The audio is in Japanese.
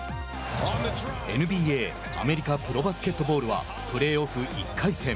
ＮＢＡ＝アメリカプロバスケットボールはプレーオフ１回戦。